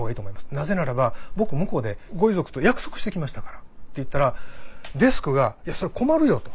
なぜならば僕向こうでご遺族と約束して来ましたから」って言ったらデスクが「それは困るよ」と。